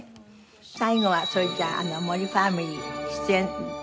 最後はそれじゃあ森ファミリー出演の時の恒例で。